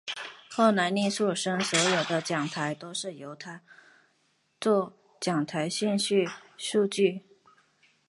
后来倪柝声所有的讲台都是由他作讲台信息速记。